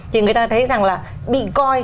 thì người ta thấy rằng là bị coi